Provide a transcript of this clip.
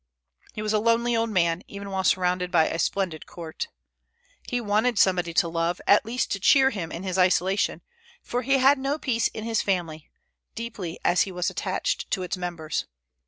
He was a lonely old man, even while surrounded by a splendid court. He wanted somebody to love, at least to cheer him in his isolation; for he had no peace in his family, deeply as he was attached to its members.